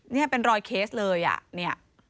บริเวณรอยเคสเลย